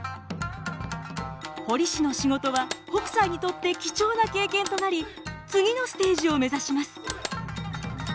彫師の仕事は北斎にとって貴重な経験となり次のステージを目指します。